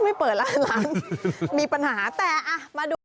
ไม่เปิดร้านมีปัญหาแต่อ่ะมาดู